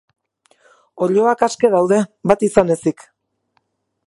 Oiloak aske daude, bat izan ezik.